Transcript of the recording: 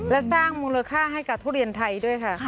และสร้างมูลค่าให้กับทุเรียนไทยด้วยค่ะ